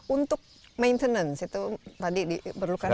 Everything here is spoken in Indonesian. untuk maintenance itu tadi diperlukan